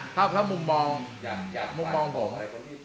ถ้ามุมมองมุมมองผม